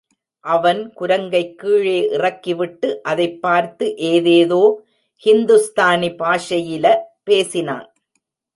அவன் குரங்கைக் கீழே இறக்கிவிட்டு அதைப் பார்த்து ஏதேதோ ஹிந்துஸ்தானி பாஷையில பேசினான்.